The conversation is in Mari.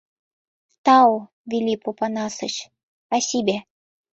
— Тау, Вилип Опанасыч, пасибе.